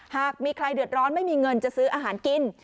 หากมีใครเดือดร้อนไม่มีเงินจะซื้ออาหารกิน